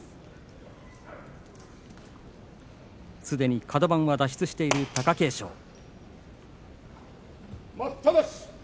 すでにカド番は脱出している貴景勝。